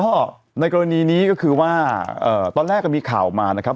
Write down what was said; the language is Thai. ก็ในกรณีนี้ก็คือว่าตอนแรกก็มีข่าวออกมานะครับ